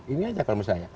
ini saja kalau misalnya